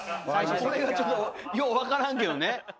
ちょっとよう分からんけどね。